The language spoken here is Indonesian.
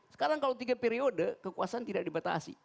sekarang kalau tiga periode kekuasaan tidak dibatasi